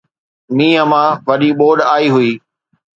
مينهن مان وڏي ٻوڏ آئي هئي